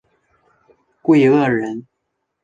桂萼人。